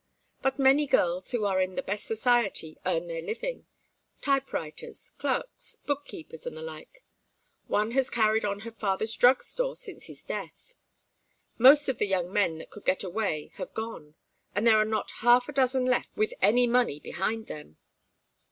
But many girls who are in the best society earn their living: typewriters, clerks, book keepers, and the like. One has carried on her father's drug store since his death. Most of the young men that could get away have gone, and there are not half a dozen left with any money behind them.